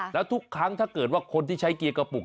แล้วทุกครั้งถ้าเกิดว่าคนที่ใช้เกียร์กระปุก